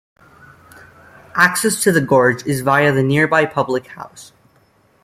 Access to the gorge is via the nearby public house.